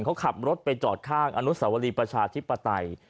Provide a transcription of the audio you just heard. เขาขับรถไปจอดข้างอนุสวรีประชาธิปไตย